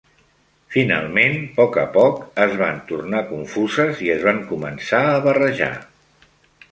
Finalment, poc a poc, es van tornar confuses i es van començar a barrejar.